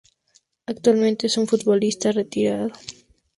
Actualmente es un futbolista retirado.